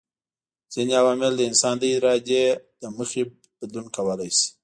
ځيني عوامل د انسان د ارادې له مخي بدلون کولای سي